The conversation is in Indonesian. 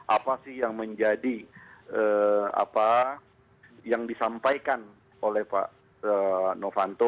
apa sih yang menjadi apa yang disampaikan oleh pak novanto